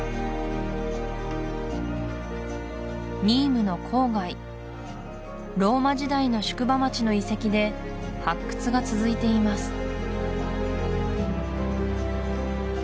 ニームの郊外ローマ時代の宿場町の遺跡で発掘が続いています